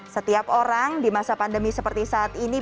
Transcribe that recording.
setiap orang di masa pandemi seperti saat ini